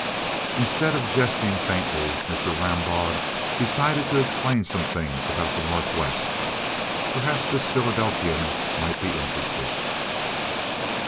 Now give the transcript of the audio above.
Instead of jesting faintly Mr. Rambaud decided to explain some things about the Northwest. Perhaps this Philadelphian might be interested.